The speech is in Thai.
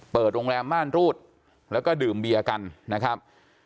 โรงแรมม่านรูดแล้วก็ดื่มเบียร์กันนะครับ